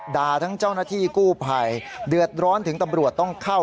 ทั้งเจ้าหน้าที่กู้ภัยเดือดร้อนถึงตำรวจต้องเข้า